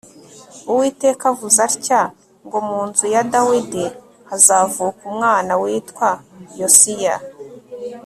Uwiteka avuze atya ngo Mu nzu ya Dawidi hazavuka umwana witwa Yosiya